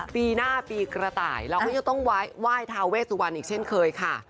ปีหน้าปีกระต่ายเราก็จะต้องไหว้ทาเวสุวรรณอีกเช่นเคยค่ะ